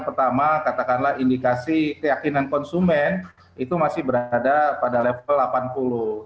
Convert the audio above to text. pertama katakanlah indikasi keyakinan konsumen itu masih berada pada level delapan puluh